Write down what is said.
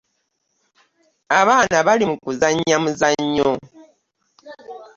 Abaana bali mukuzaanya muzanyo.